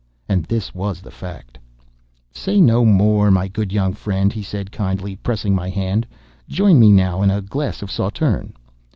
And this was the fact. "Say no more, my good young friend," he said kindly, pressing my hand,—"join me now in a glass of Sauterne."